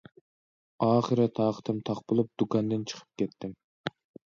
ئاخىرى تاقىتىم تاق بولۇپ دۇكاندىن چىقىپ كەتتىم.